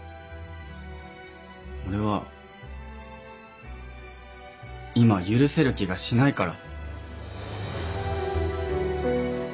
俺は今許せる気がしないから。